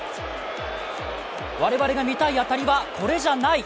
我々が見たい当たりはこれじゃない！